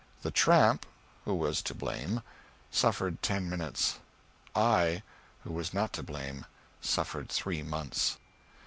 The tramp who was to blame suffered ten minutes; I, who was not to blame, suffered three months.